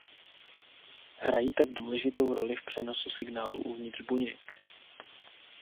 Hrají tak důležitou roli v přenosu signálu uvnitř buněk.